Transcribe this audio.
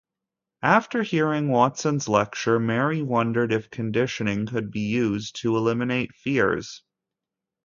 After hearing Watson's lecture, Mary wondered if conditioning could be used to eliminate fears.